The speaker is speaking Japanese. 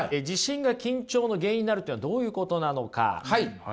自信が緊張の原因になるっていうのはどういうことなのか。